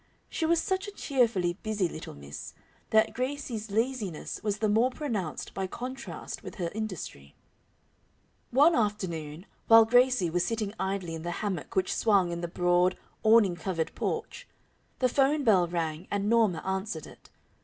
She was such a cheerfully busy little miss that Gracie's laziness was the more pronounced by contrast with her industry. One afternoon, while Gracie was sitting idly in the hammock which swung in the broad, awning covered porch, the phone bell rang and Norma answered it.